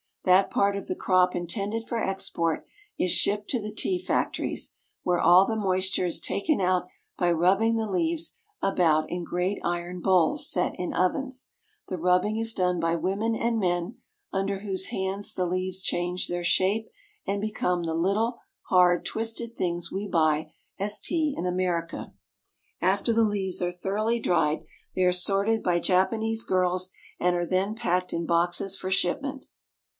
That part of the crop intended for export is shipped to the tea fac tories, where all the moisture is taken out by rubbing the leaves about in great iron bowls set in ovens. The rubbing is done by women and men, under whose hands the leaves change their shape and become the little, hard, twisted things we buy as tea in America. After the leaves are thoroughly dried, they are sorted by Japanese girls and are then packed in boxes for shipment.